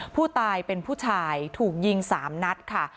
ผู้ตายเป็นผู้ชายถูกยิง๓นัดค่ะ